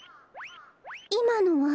いまのは？